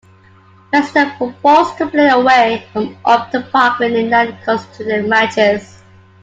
West Ham were forced to play away from Upton Park, winning nine consecutive matches.